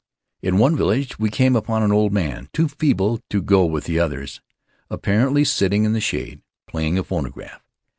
In one village we came upon an old man too feeble to go with the others, apparently, sitting in the shade playing a phonograph.